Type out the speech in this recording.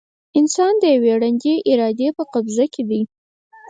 انسان د یوې ړندې ارادې په قبضه کې دی.